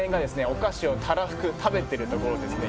お菓子をたらふく食べてるところですね